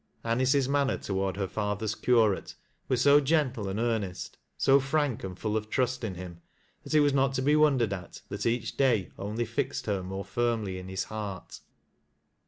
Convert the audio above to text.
Alice's manner toward her father's curate was so gentle and earnest, so frank and full of trust in him, that i< sras not to be wondered at that each day only fixed hei more firmly in his heart.